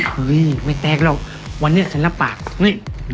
เฮ้ยไม่แตกหรอกวันนี้ฉันรับปากเฮ้ย